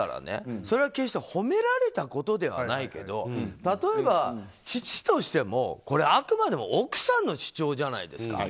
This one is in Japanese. それは決して褒められたことではないけど例えば、父としてもあくまでも奥さんの主張じゃないですか。